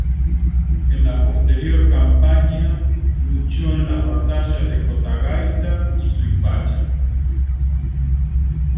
En la posterior campaña luchó en las batallas de Cotagaita y Suipacha.